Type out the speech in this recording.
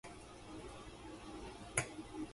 タイピングが早くなります